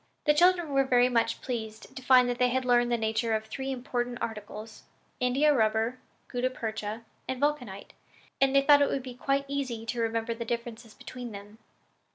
The children were very much pleased to find that they had learned the nature of three important articles India rubber, gutta percha and vulcanite and they thought it would be quite easy to remember the differences between them.